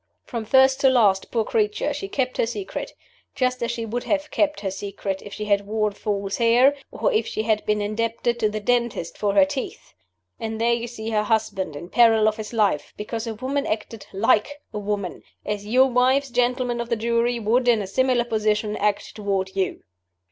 From first to last, poor creature, she kept her secret; just as she would have kept her secret if she had worn false hair, or if she had been indebted to the dentist for her teeth. And there you see her husband, in peril of his life, because a woman acted like a woman as your wives, gentlemen of the Jury, would, in a similar position, act toward You."